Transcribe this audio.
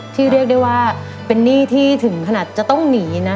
เรียกได้ว่าเป็นหนี้ที่ถึงขนาดจะต้องหนีนะ